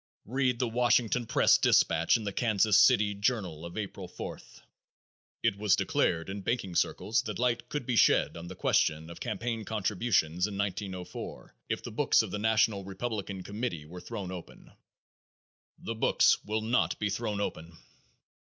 Read the Washington press dispatch in the Kansas City Journal of April 4th: "It was declared in banking circles that light could be shed on the question of campaign contributions in 1904 if the books of the national Republican committee were thrown open." The books will not be thrown open.